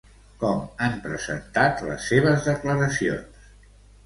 Com han presentat les seves declaracions?